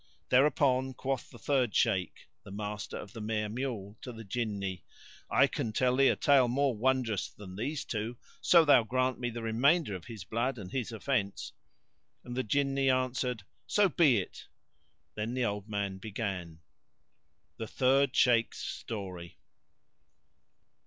Thereupon quoth the third Shaykh, the master of the mare mule, to the Jinni, "I can tell thee a tale more wondrous than these two, so thou grant me the remainder of his blood and of his offense," and the Jinni answered, "So be it!" Then the old man began The Third Shaykh's Story.